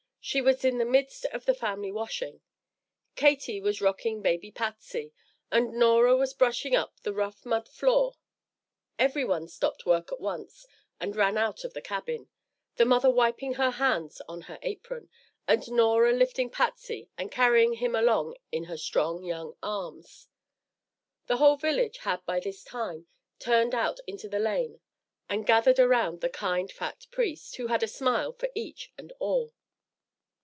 She was in the midst of the family washing. Katie was rocking baby Patsy, and Norah was brushing up the rough mud floor. Every one stopped work at once and ran out of the cabin, the mother wiping her hands on her apron, and Norah lifting Patsy and carrying him along in her strong young arms. The whole village had by this time turned out into the lane and gathered around the kind fat priest, who had a smile for each and all.